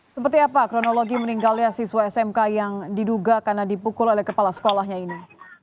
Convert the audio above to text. seperti apa kronologi meninggalnya siswa smk yang diduga karena dipukul oleh kepala sekolahnya ini